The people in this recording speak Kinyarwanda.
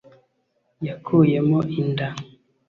Yakuyemo inda